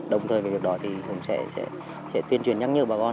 đồng thời việc đó cũng sẽ tuyên truyền nhắc nhở bà con